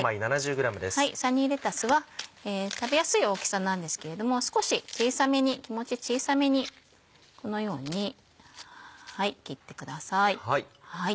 サニーレタスは食べやすい大きさなんですけれども少し小さめに気持ち小さめにこのように切ってください。